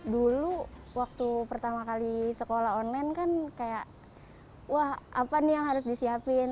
dulu waktu pertama kali sekolah online kan kayak wah apa nih yang harus disiapin